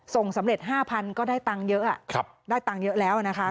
ส่งสำเร็จ๕๐๐ก็ได้ตังค์เยอะได้ตังค์เยอะแล้วนะคะ